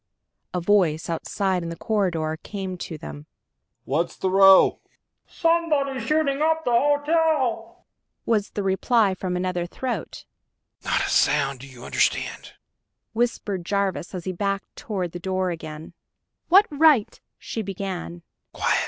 A voice outside in the corridor came to them. "What's the row?" "Somebody's shooting up the hotel!" was the reply, from another throat. "Not a sound ... do you understand?" whispered Jarvis, as he backed toward the door again. "What right...?" she began.